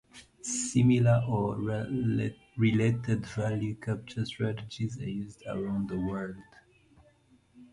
Similar or related value capture strategies are used around the world.